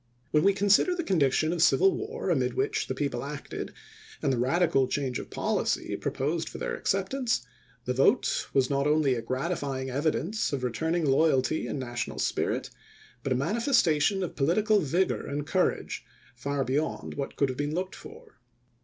When we consider the condition of civil war amid which the people acted and the radical change of policy proposed for their acceptance, the vote was not only a gratifying evi dence of returning loyalty and national spirit, but a manifestation of political vigor and courage far beyond what could have been looked for.